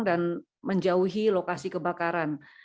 dan menjauhi lokasi kebakaran